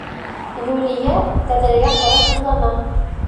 Юлия тәҙрәгә ҡарап уйлана.